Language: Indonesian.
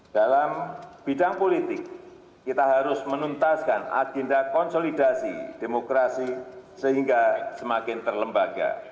dalam bidang politik kita harus menuntaskan agenda konsolidasi demokrasi sehingga semakin terlembaga